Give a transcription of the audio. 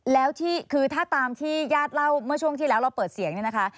แล้วถ้าตามที่ยาเล่าเมื่อช่วงที่เราเปิดเสียงนี่นะคะ